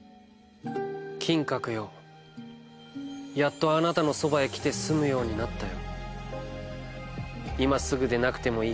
「金閣よやっとあなたのそばへ来て住むようになったよ」。